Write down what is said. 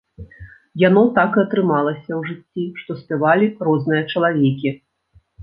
Яно так і атрымалася ў жыцці, што спявалі розныя чалавекі.